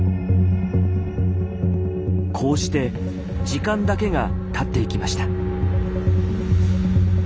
こうして時間だけがたっていきました。